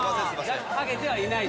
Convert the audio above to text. ハゲてはいない。